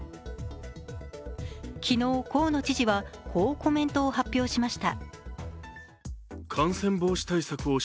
昨日、河野知事は、こうコメントを発表しました。